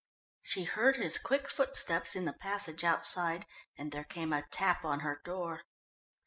She heard his quick footsteps in the passage outside, and there came a tap on her door.